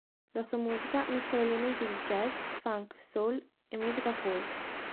La sua musica mescola elementi di jazz, funk, soul, e musica folk.